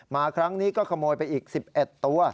มาครั้งนี้ก็ขโมยไปอีก๑๑ตัว